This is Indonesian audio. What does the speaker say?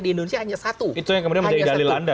di indonesia hanya satu itu yang kemudian menjadi dalilan